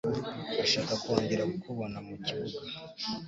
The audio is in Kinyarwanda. Ndashaka kongera kukubona mu kibuuga.